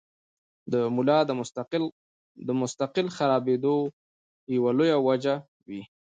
د ملا د مستقل خرابېدو يوه لويه وجه وي -